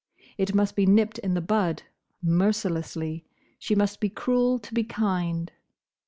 It must be nipped in the bud. Mercilessly. She must be cruel to be kind.